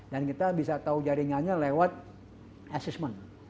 dan kita bisa tahu jaringannya lewat assessment